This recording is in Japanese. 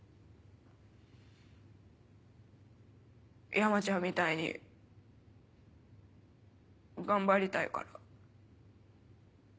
山ちゃんみたいに頑張りたいから。